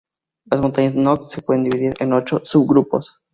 Las montañas Nock se pueden dividir en ocho subgrupos.